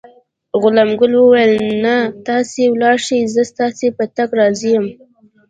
غلام ګل وویل: نه، تاسې ولاړ شئ، زه ستاسي په تګ راضي یم.